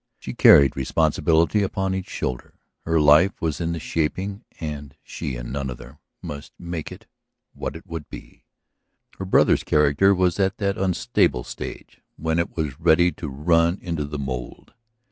She carried responsibility upon each shoulder; her life was in the shaping and she and none other must make it what it would be; her brother's character was at that unstable stage when it was ready to run into the mould.